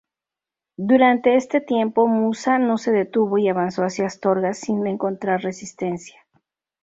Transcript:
Durante este tiempo, Musa no se detuvo y avanzó hacia Astorga sin encontrar resistencia.